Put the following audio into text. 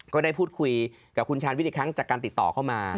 ก็ได้พูดคุยกับคุณชาญวิทย์อีกครั้งจากการติดต่อเข้ามา